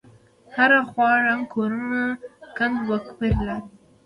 هره خوا ړنگ کورونه کند وکپرې لارې.